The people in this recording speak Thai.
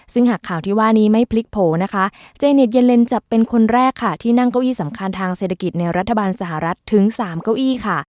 ซึ่งหากข่าวที่ว่านี้ไม่พลิกโผล่นะคะเจเน็ตเย็นเลนจะเป็นคนแรกค่ะที่นั่งเก้าอี้สำคัญทางเศรษฐกิจในรัฐบาลสหรัฐถึง๓เก้าอี้ค่ะ